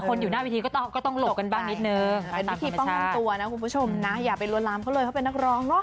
อยู่หน้าวิธีก็ต้องก็ต้องหลบกันบ้างนิดนึงเป็นวิธีป้องกันตัวนะคุณผู้ชมนะอย่าไปลวนลามเขาเลยเขาเป็นนักร้องเนอะ